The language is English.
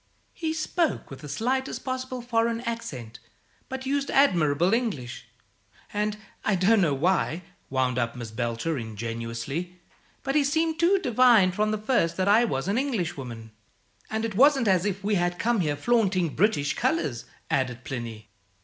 He spoke with the slightest possible foreign accent, but used admirable English: and, I don't know why," wound up Miss Belcher, ingenuously, "but he seemed to divine from the first that I was an Englishwoman." "And it wasn't as if we had come here flaunting British colours," added Plinny.